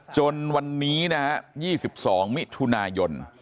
จนวันนี้นะฮะ๒๒มิถุนายน